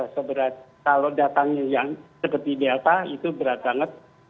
seberat kalau datangnya yang seperti delta itu berat banget